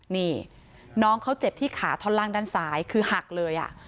นี่น้องเขาเจ็บที่ขาท่อนล่างด้านซ้ายคือหักเลย